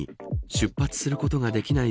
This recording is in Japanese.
出発することができない